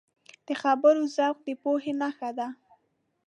د خبرو ذوق د پوهې نښه ده